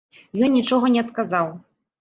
Ён нічога не адказаў.